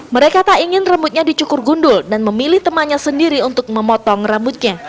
mereka tak ingin rambutnya dicukur gundul dan memilih temannya sendiri untuk memotong rambutnya